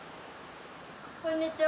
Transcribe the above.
こんにちは。